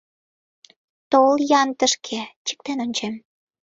Тол-ян тышке, чиктен ончем.